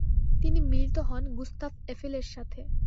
তিনি মিলিত হন গুস্তাভ এফেলের সাথে।